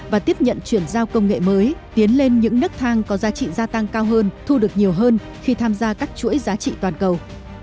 và tiếp nhận chuyển giao công nghệ mới tiến lên những nức thang có giá trị gia tăng cao hơn thu được nhiều hơn khi tham gia các chuỗi giá trị toàn cầu